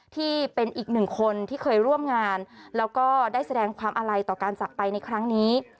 ที่เป็นอีกหนึ่งคนที่เคยร่วมงานแล้วก็ได้แสดงความอาลัยต่อการจักรไปในครั้งนี้